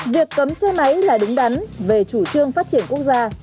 việc cấm xe máy là đúng đắn về chủ trương phát triển quốc gia